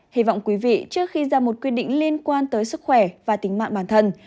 hy vọng quý vị trước khi ra một quy định liên quan tới sức khỏe và tính mạng bản thân